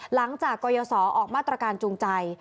หลังจากกรยาศรออกมาตรการจูงใจ